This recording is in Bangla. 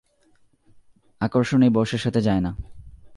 আকর্ষণ এই বয়সের সাথে যায় না।